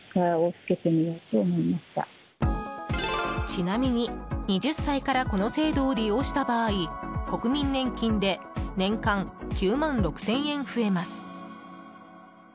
ちなみに２０歳からこの制度を利用した場合国民年金で年間９万６０００円増えます。